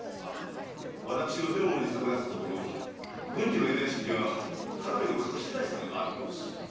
私の手の者に探らせたところ郡司の江戸屋敷にはかなりの隠し財産がある様子。